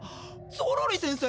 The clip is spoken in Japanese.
・ゾロリ先生？